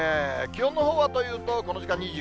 気温のほうはというと、この時間、２９．１度。